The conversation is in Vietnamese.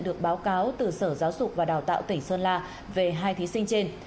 được báo cáo từ sở giáo dục và đào tạo tỉnh sơn la về hai thí sinh trên